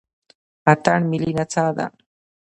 اتن ملي نڅا ده